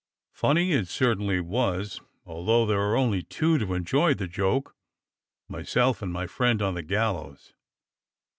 Funny it certainly was, although there were only two to enjoy the joke — myself and my friend on the gallows.